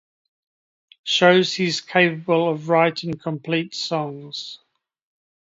Shows he's capable of writing complete songs.